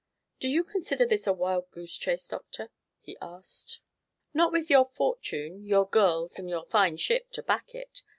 "Do you consider this a wild goose chase, Doctor?" he asked. "Not with your fortune, your girls and your fine ship to back it.